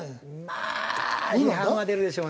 まあ批判は出るでしょうね。